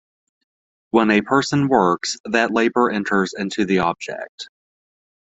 When a person works, that labor enters into the object.